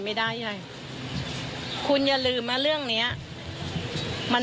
มีความว่ายังไง